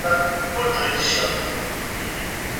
انارګل ته د خپلې مېنې ابادول یو لوی هدف ښکارېده.